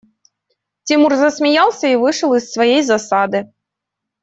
Тимур засмеялся и вышел из своей засады.